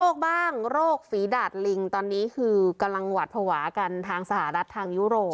บ้างโรคฝีดาดลิงตอนนี้คือกำลังหวัดภาวะกันทางสหรัฐทางยุโรป